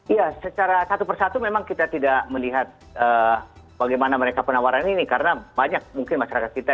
iya kartu persatu memang kita tidak melihat bagaimana mereka penawaran ini karena banyak mungkin masyarakat kita di bagi pandan menawar ini karena banyak mungkin masyarakat kita